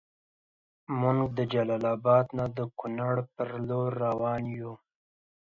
مونږ د جلال اباد نه د کونړ پر لور دروان یو